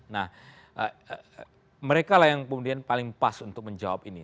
nah mereka lah yang kemudian paling pas untuk menjawab ini